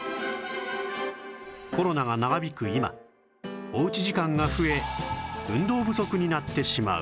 コロナが長引く今お家時間が増え運動不足になってしまう